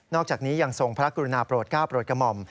นอกจากนี้ยังทรงพระกรุณาปรดก้าวปรดกมม